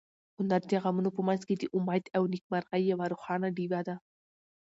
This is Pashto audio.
هنر د غمونو په منځ کې د امید او نېکمرغۍ یوه روښانه ډېوه ده.